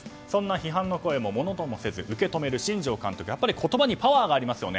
そんな批判の声も、ものともせず受け止める新庄監督は言葉にパワーがあります。